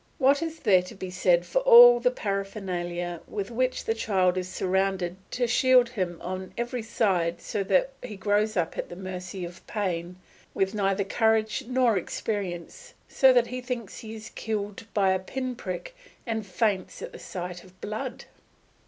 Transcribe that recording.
What is there to be said for all the paraphernalia with which the child is surrounded to shield him on every side so that he grows up at the mercy of pain, with neither courage nor experience, so that he thinks he is killed by a pin prick and faints at the sight of blood?